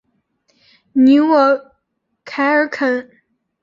尼沃凯尔肯。